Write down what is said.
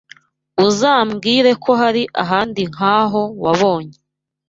Uzambwire ko hari ahandi nkaho wabonye